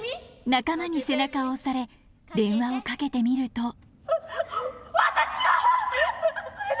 仲間に背中を押され電話をかけてみると私は！